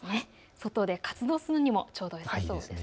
外で活動するにもちょうどよさそうです。